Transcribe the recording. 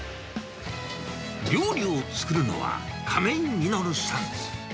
料理を作るのは、亀井實さん。